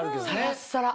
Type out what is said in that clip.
サラッサラ。